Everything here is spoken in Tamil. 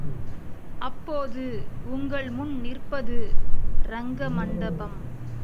அப்போது உங்கள் முன் நிற்பது ரங்க மண்டபம்.